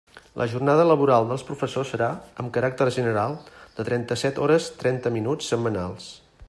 La jornada laboral dels professors serà, amb caràcter general de trenta-set hores trenta minuts setmanals.